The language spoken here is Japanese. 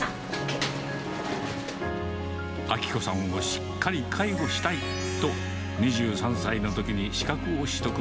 明子さんをしっかり介護したいと、２３歳のときに資格を取得。